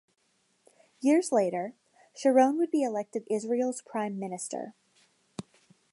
Years later Sharon would be elected Israel's Prime Minister.